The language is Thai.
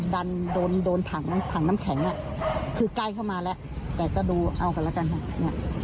ดันโดนโดนถังถังน้ำแข็งอ่ะคือใกล้เข้ามาแล้วแต่ก็ดูเอากันแล้วกันค่ะเนี่ย